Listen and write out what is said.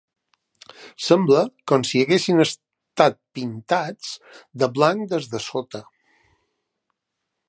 Sembla com si haguessin estat pintats de blanc des de sota.